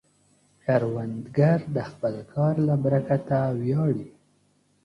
کروندګر د خپل کار له برکته ویاړي